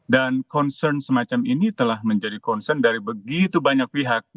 dan concern semacam ini telah menjadi concern dari begitu banyak pihak